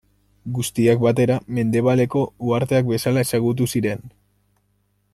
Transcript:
Guztiak batera, Mendebaldeko uharteak bezala ezagutu ziren.